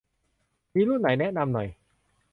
มีรุ่นไหนแนะนำหน่อย